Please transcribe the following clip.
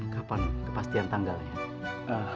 kapan kepastian tanggalnya